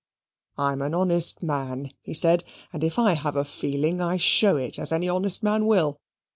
"I'm an honest man," he said, "and if I have a feeling I show it, as an honest man will.